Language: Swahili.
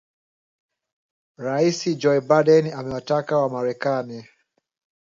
Rais Joe Biden amewataka Wamarekani